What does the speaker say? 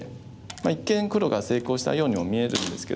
一見黒が成功したようにも見えるんですけど。